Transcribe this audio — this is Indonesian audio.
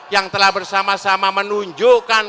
yang telah bersama sama menunjukkan